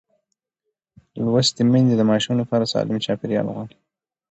لوستې میندې د ماشوم لپاره سالم چاپېریال غواړي.